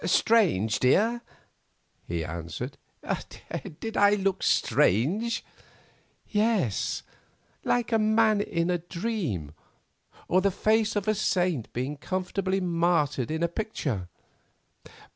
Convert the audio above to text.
"Strange, dear?" he answered; "did I look strange?" "Yes; like a man in a dream or the face of a saint being comfortably martyred in a picture.